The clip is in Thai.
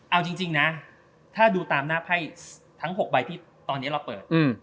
เอาจริงนะถ้าดูตามหน้าไพ่ทั้ง๖ใบที่ตอนนี้เราเปิด